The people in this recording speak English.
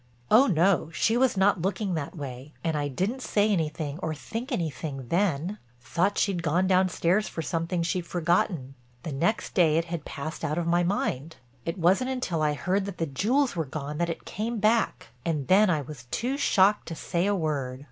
"Oh no, she was not looking that way. And I didn't say anything or think anything then—thought she'd gone downstairs for something she'd forgotten. The next day it had passed out of my mind; it wasn't until I heard that the jewels were gone that it came back and then I was too shocked to say a word.